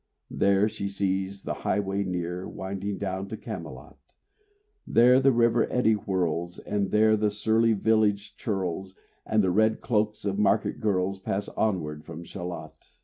There she sees the highway near Winding down to Camelot: There the river eddy whirls, RAINBOW GOLD And there the surly village churls, And the red cloaks of market girls, Pass onward from Shalott.